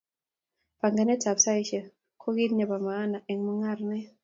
Panganet ab saishek ko kit nebo maana eng mung'aret